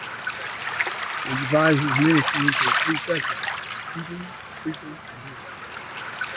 It divides his ministry into three sections: teaching, preaching, and healing.